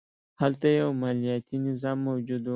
هلته یو مالیاتي نظام موجود و